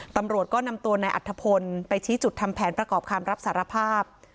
ตำรวจก็นำตัวนายอัฐพลไปชี้จุดทำแผนประกอบคำรับสารภาพ